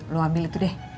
lo ambil itu deh